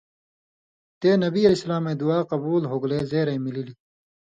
تے نبی علیہ سلامَیں دُعا قبُول ہُوگلے زېرئ مِلِلیۡ۔